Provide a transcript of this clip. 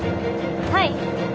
はい。